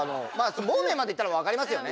モーメンまでいったら分かりますよね。